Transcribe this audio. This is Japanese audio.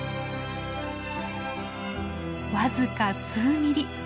僅か数ミリ。